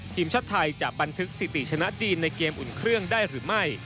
ทีมชาติไทยจะบันทึกสิติชนะจีนในเกมอุ่นเครื่องได้หรือไม่